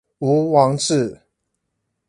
巫王志